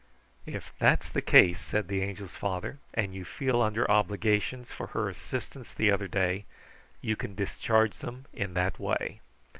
"If that's the case," said the Angel's father, "and you feel under obligations for her assistance the other day, you can discharge them in that way.